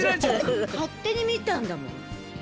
勝手に見たんだもん。